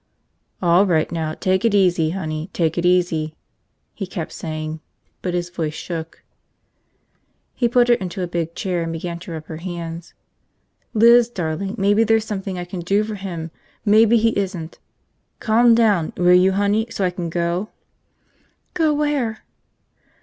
"All right now, take it easy, honey, take it easy," he kept saying, but his voice shook. He put her into a big chair and began to rub her hands. "Liz, darling, maybe there's something I can do for him, maybe he isn't ... Calm down, will you, honey, so I can go?" "Go where?"